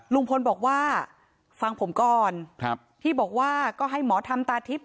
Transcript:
ลุงพลบอกว่าฟังผมก่อนครับพี่บอกว่าก็ให้หมอธรรมตาทิพย